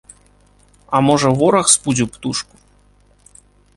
А можа, вораг спудзіў птушку?